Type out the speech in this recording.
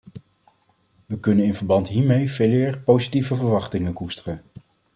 We kunnen in verband hiermee veeleer positieve verwachtingen koesteren.